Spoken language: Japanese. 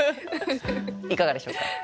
いかがでしょうか。